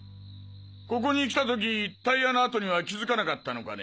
ここに来た時タイヤの跡には気づかなかったのかね？